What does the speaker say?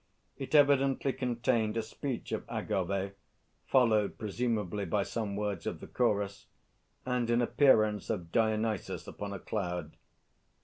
It evidently contained a speech of Agâvê (followed presumably by some words of the Chorus), and an appearance of_ DIONYSUS _upon a cloud.